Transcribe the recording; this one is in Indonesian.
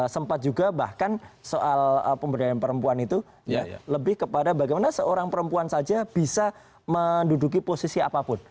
sempat juga bahkan soal pemberdayaan perempuan itu ya lebih kepada bagaimana seorang perempuan saja bisa menduduki posisi apapun